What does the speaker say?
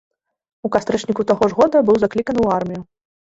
У кастрычніку таго ж года быў закліканы ў армію.